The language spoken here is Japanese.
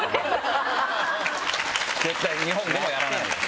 絶対に日本でもやらないです。